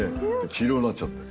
きいろになっちゃって。